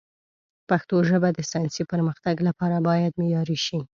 پښتو ژبه د ساینسي پرمختګ لپاره باید معیاري شي.